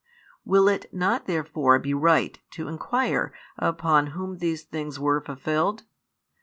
Will it not therefore be right to inquire upon whom these things were fulfilled?